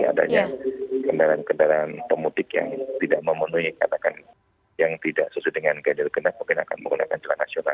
adanya kendaraan kendaraan pemutik yang tidak memenuhi katakan yang tidak sesuai dengan ganjil genap mungkin akan menggunakan jalan nasional